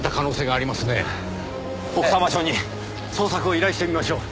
奥多摩署に捜索を依頼してみましょう。